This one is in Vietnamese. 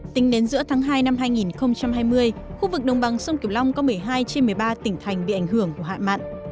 tính đến giữa tháng hai năm hai nghìn hai mươi khu vực đồng bằng sông kiều long có một mươi hai trên một mươi ba tỉnh thành bị ảnh hưởng của hạn mặn